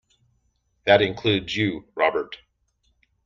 That includes you, Robert.